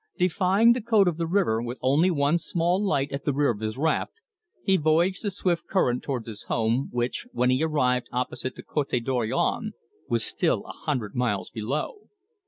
Defying the code of the river, with only one small light at the rear of his raft, he voyaged the swift current towards his home, which, when he arrived opposite the Cote Dorion, was still a hundred miles below.